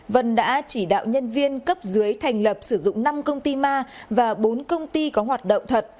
vân đã chỉ đạo nhân viên cấp dưới thành lập sử dụng năm công ty ma và bốn công ty có hoạt động thật